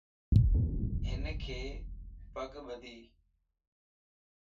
ھنک پڳ ٻڌيَ